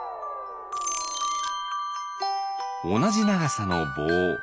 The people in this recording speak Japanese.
おなじながさのぼう。